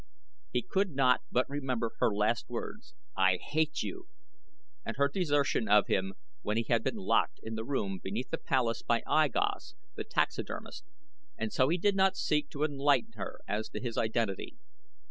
He could not but remember her last words "I hate you!" and her desertion of him when he had been locked in the room beneath the palace by I Gos, the taxidermist, and so he did not seek to enlighten her as to his identity.